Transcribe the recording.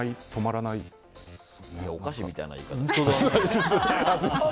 お菓子みたいな言い方だな。